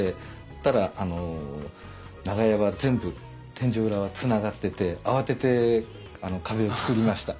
したら長屋は全部天井裏はつながってて慌てて壁を造りました。